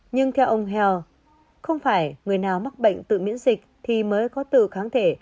nhưng theo ông hale không phải người nào mắc bệnh tự miễn dịch thì mới có tự kháng thể